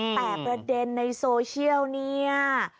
แต่ประเด็นในโซเชียลเนี่ย